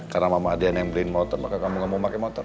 karena mama adriana yang beliin motor maka kamu gak mau naik motor